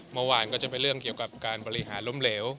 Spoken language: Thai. เมื่อวานก็จะเป็นเรื่องเกี่ยวกับการบริหารล้มเหลว